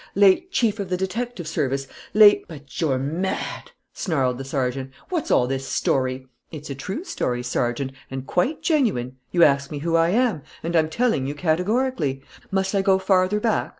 Late chief of the detective service.... Late " "But you're mad!" snarled the sergeant. "What's all this story?" "It's a true story, Sergeant, and quite genuine. You ask me who I am; and I'm telling you categorically. Must I go farther back?